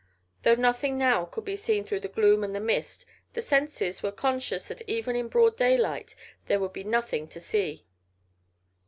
Though nothing now could be seen through the gloom and the mist, the senses were conscious that even in broad daylight there would be nothing to see.